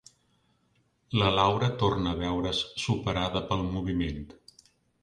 La Laura torna a veure's superada pel moviment.